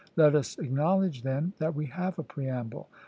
Let us acknowledge, then, that we have a preamble.